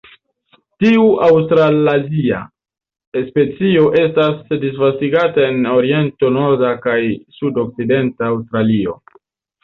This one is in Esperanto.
Tiu aŭstralazia specio estas disvastigata en orienta, norda kaj sudokcidenta Aŭstralio.